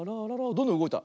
どんどんうごいた。